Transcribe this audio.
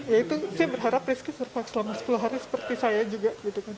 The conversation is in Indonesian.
ya itu saya berharap rizky survive selama sepuluh hari seperti saya juga